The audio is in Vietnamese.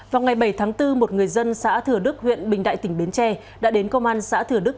vào ngày bảy tháng bốn một người dân xã thừa đức huyện bình đại tỉnh bến tre đã đến công an xã thừa đức